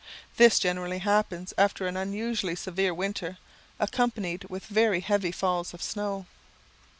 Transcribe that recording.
This generally happens after an unusually severe winter, accompanied with very heavy falls of snow.